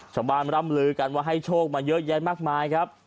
ร่ำลือกันว่าให้โชคมาเยอะแยะมากมายครับ